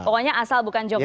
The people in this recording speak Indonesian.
pokoknya asal bukan jokowi